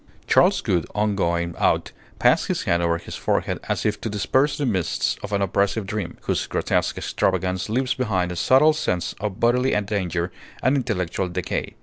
Charles Gould on going out passed his hand over his forehead as if to disperse the mists of an oppressive dream, whose grotesque extravagance leaves behind a subtle sense of bodily danger and intellectual decay.